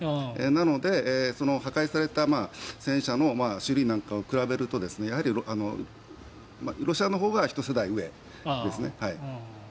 なので、破壊された戦車の種類なんかを比べるとやはりロシアのほうが１世代上ですね。